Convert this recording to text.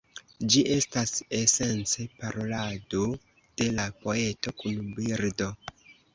Ĝi estas esence parolado de la poeto kun birdo.